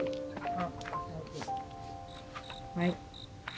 はい。